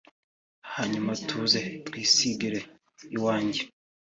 hanyuma tuze twisigire iwanjye”